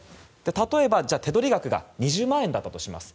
例えば手取り額が２０万円だったとします。